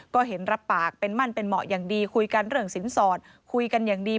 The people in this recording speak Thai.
ก็เห็นรับปากเป็นมั่นเป็นเหมาะอย่างดีคุยกันเรื่องสินสอดคุยกันอย่างดี